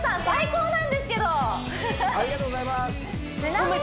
最高なんですけど！